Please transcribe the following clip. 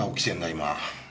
今。